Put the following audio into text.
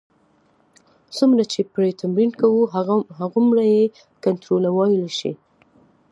څومره چې پرې تمرین کوو، هغومره یې کنټرولولای شو.